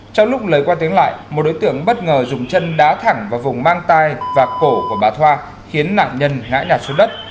trong lúc lời qua tiếng lại một đối tượng bất ngờ dùng chân đá thẳng vào vùng mang tai và cổ của bà thoa khiến nạn nhân ngã xuống đất